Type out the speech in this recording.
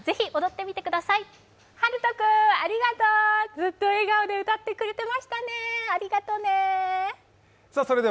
ずっと笑顔で歌ってくれてましたねありがとね！